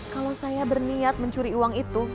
kalau saya berniat mencuri uang itu